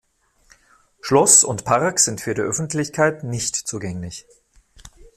Schloss und Park sind für die Öffentlichkeit nicht zugänglich.